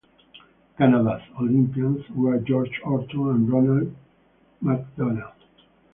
Canada's Olympians were George Orton and Ronald J. MacDonald.